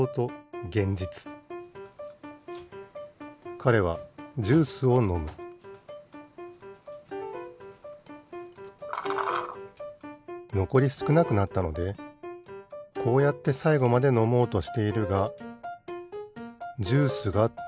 かれはジュースをのむのこりすくなくなったのでこうやってさいごまでのもうとしているがジュースがでない。